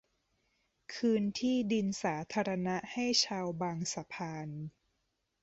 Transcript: คืนที่ดินสาธารณะให้ชาวบางสะพาน